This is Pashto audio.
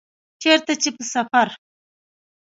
چیرته چي په سفر